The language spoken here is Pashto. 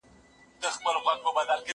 زه مخکي کتاب ليکلی و!